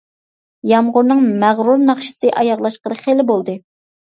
يامغۇرنىڭ مەغرۇر ناخشىسى ئاياغلاشقىلى خېلى بولدى.